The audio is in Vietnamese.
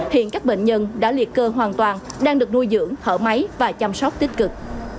hiện các bệnh nhân đã liệt cơ hoàn toàn đang được nuôi dưỡng thở máy và chăm sóc tích cực